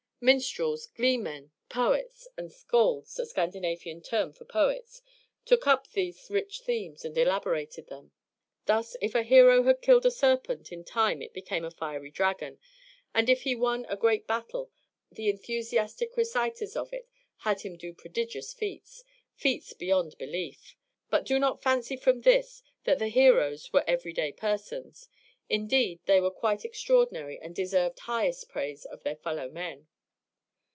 Minstrels, gleemen, poets, and skalds (a Scandinavian term for poets) took up these rich themes and elaborated them. Thus, if a hero had killed a serpent, in time it became a fiery dragon, and if he won a great battle, the enthusiastic reciters of it had him do prodigious feats feats beyond belief. But do not fancy from this that the heroes were every day persons. Indeed, they were quite extraordinary and deserved highest praise of their fellow men.